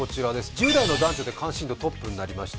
１０代の男女で関心度がトップになりました。